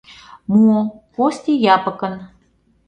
Муо: Кости Япыкын.